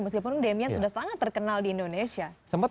meskipun demian sudah sangat terkenal di indonesia